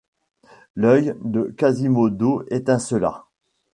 L’œil de Quasimodo étincela.